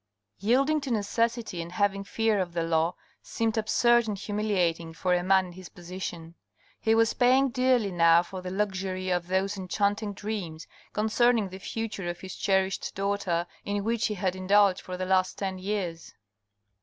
Yielding to necessity and having fear of the law seemed absurd and humiliating for a man in his position. He was paying dearly now for the luxury of those enchanting dreams concerning the future of his cherished daughter in which he had indulged for the last ten years.